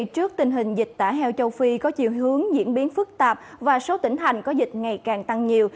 trước tình hình dịch tả heo châu phi có chiều hướng diễn biến phức tạp và số tỉnh thành có dịch ngày càng tăng nhiều